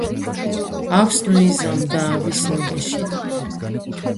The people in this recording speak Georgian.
ავს ნუ იზამ და ავის ნუ გეშინია.